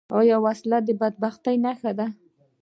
وسله د بدبختۍ نښه ده